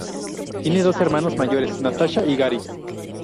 Tiene dos hermanos mayores, Natasha y Gary.